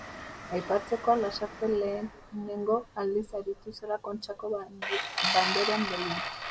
Aipatzekoa Lasarte lehenengo aldiz aritu zela Kontxako Banderan lehian.